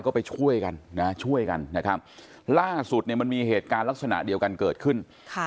ก็ไปช่วยกันนะช่วยกันนะครับล่าสุดเนี่ยมันมีเหตุการณ์ลักษณะเดียวกันเกิดขึ้น